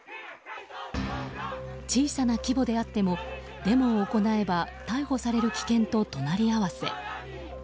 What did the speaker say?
小さな規模であってもデモを行えば逮捕される危険と隣り合わせ。